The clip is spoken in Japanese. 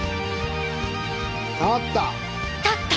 立った！